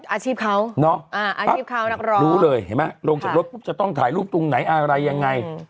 อาชีพเขาเนาะอาชีพเขานักร้องรู้เลยเห็นไหมลงจากรถปุ๊บจะต้องถ่ายรูปตรงไหนอะไรยังไง